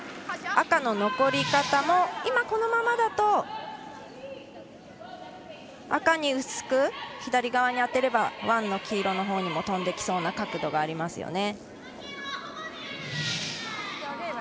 赤の残り方も今、このままだと赤に薄く、左側に当てればワンの黄色のほうにも飛んできそうな角度がありますね。